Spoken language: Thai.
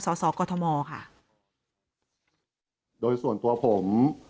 และการแสดงสมบัติของแคนดิเดตนายกนะครับ